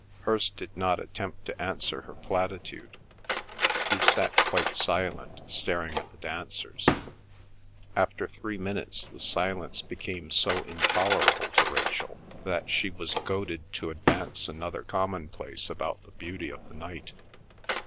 Hirst did not attempt to answer her platitude. He sat quite silent, staring at the dancers. After three minutes the silence became so intolerable to Rachel that she was goaded to advance another commonplace about the beauty of the night.